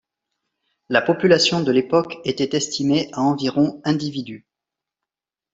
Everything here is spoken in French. La population de l'époque était estimée à environ individus.